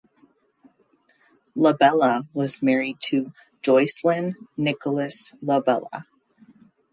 Labella was married to Joycelyn Nicolas Labella.